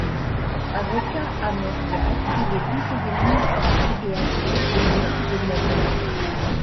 Avocat à Mauriac, il est conseiller municipal et adjoint au maire de Mauriac.